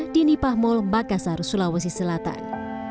di nipah mall bakasar sulawesi selatan